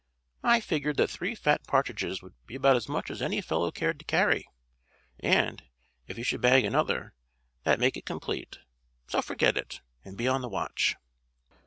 "I figured that three fat partridges would be about as much as any fellow cared to carry; and, if you should bag another, that'd make it complete. So forget it, and be on the watch."